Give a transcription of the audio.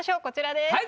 こちらです。